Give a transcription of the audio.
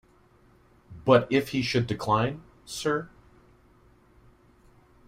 But if he should decline, sir?